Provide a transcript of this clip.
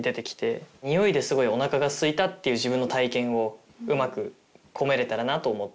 においですごいおなかがすいたっていう自分の体験をうまく込めれたらなと思って。